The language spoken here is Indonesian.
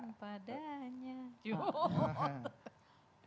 enggak bapak banget ya